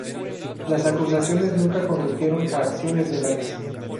Las acusaciones nunca condujeron a acciones legales.